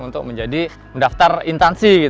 untuk menjadi mendaftar intansi